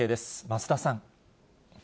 増田さん。